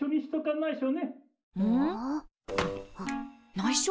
ないしょ？